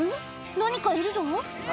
何かいるぞ